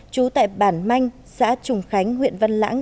trú tại bản manh xã trùng khánh huyện văn lãng